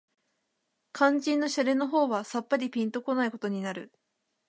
肝腎の洒落の方はさっぱりぴんと来ないことになる